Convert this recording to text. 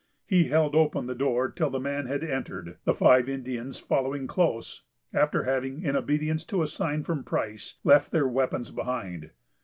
He held open the door till the man had entered, the five Indians following close, after having, in obedience to a sign from Price, left their weapons behind.